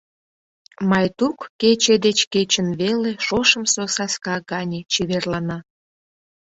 Майтук кече деч кечын веле шошымсо саска гане чеверлана.